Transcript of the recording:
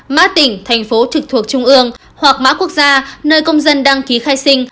mã tỉnh thành phố trực thuộc trung ương hoặc mã quốc gia nơi công dân đăng ký khai sinh